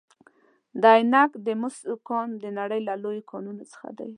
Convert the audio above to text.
د عینک د مسو کان د نړۍ له لویو کانونو څخه دی.